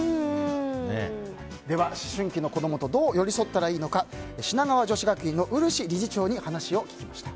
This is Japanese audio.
思春期の子供とどう寄り添ったらいいのか品川女子学院の漆理事長に話を聞きました。